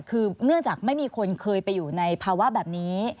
คือเนื่องจากไม่มีคนเคยไปอยู่ในภาวะแบบนี้